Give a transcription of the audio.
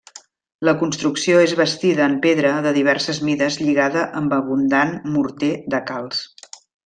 La construcció és bastida en pedra de diverses mides lligada amb abundant morter de calç.